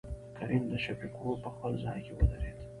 کريم دشفيق ورور په خپل ځاى کې ودرېد.